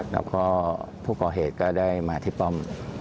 แล้วก็ผู้ก่อเหตุก็ได้มาที่ป้อม